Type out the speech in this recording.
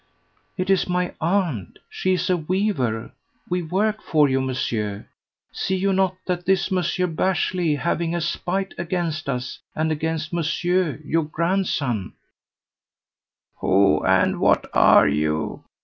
"It is my aunt she is a weaver; we work for you, monsieur. See you not that this Monsieur Bashley, having a spite against us, and against monsieur your grandson " "Who and what are you?"